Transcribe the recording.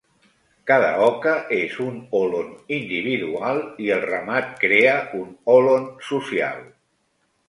Cada oca és un hòlon individual i el ramat crea un hòlon social.